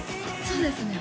そうですね